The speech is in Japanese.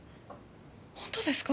本当ですか？